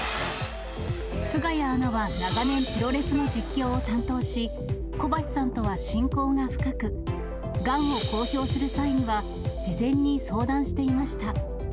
菅谷アナは長年、プロレスの実況を担当し、小橋さんとは親交が深く、がんを公表する際には、事前に相談していました。